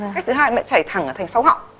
cách thứ hai là chảy thẳng ở thành sâu họng